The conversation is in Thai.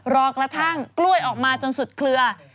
รอกระทั่งกล้วยออกมาจนสุดเคลือ